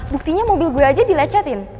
buktinya mobil gue aja dilecetin